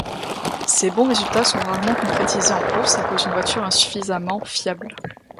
Ces bons résultats sont rarement concrétisées en course à cause d'une voiture insuffisamment fiable.